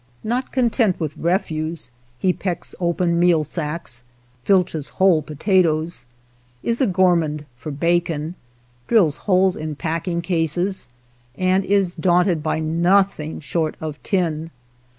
Not content with refuse, he pecks open meal sacks, filches whole potatoes, is a gormand for bacon, drills holes in packing cases, and is daunted by nothing short of tin.